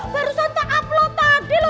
barusan tak upload tadi loh